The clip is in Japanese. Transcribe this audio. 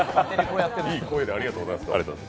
いい声でありがとうございます。